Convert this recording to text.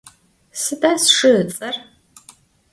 Sıda sşşı ıts'er?